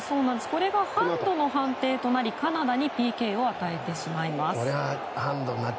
これがハンドの判定となりカナダにＰＫを与えてしまいます。